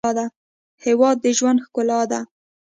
هېواد د ژوند ښکلا ده.